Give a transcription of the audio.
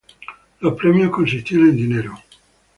Los premios consistían en dinero.